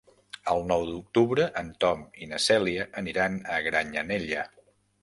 El nou d'octubre en Tom i na Cèlia aniran a Granyanella.